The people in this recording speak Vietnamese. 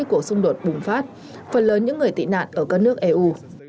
trong lúc của xung đột bùng phát phần lớn những người tị nạn ở các nước eu